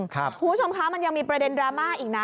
คุณผู้ชมคะมันยังมีประเด็นดราม่าอีกนะ